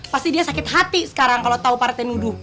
pasti dia sakit hati sekarang kalo tau pak rete nuduh